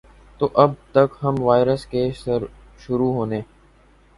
تو اب تک ہم وائرس کے شروع ہونے